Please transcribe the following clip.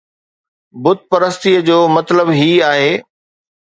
بت پرستيءَ جو مطلب هي آهي